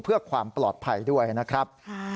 เพื่อความปลอดภัยด้วยนะครับ